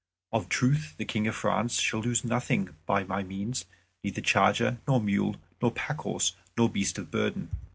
Of a truth the King of France shall lose nothing by my means, neither charger, nor mule, nor pack horse, nor beast of burden."